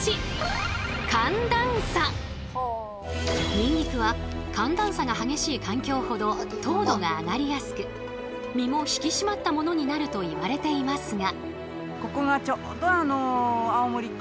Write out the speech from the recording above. ニンニクは寒暖差が激しい環境ほど糖度が上がりやすく実も引き締まったものになるといわれていますが。